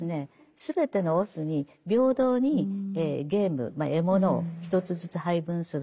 全てのオスに平等にゲーム獲物を一つずつ配分する。